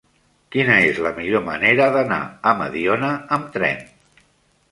Quina és la millor manera d'anar a Mediona amb tren?